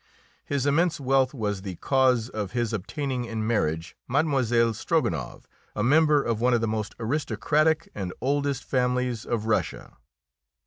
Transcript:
His immense wealth was the cause of his obtaining in marriage Mlle. Strogonoff, a member of one of the most aristocratic and oldest families of Russia.